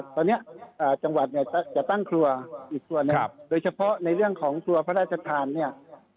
ตอนนี้จังหวัดเนี่ยจะตั้งครัวอีกส่วนหนึ่งโดยเฉพาะในเรื่องของครัวพระราชทานเนี่ย